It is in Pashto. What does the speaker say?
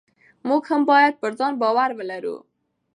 موږ هم باید پر ځان باور ولرو.